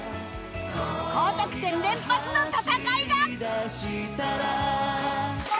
高得点連発の戦いが！